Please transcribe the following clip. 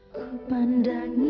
saya juga mau lihat kamu nangis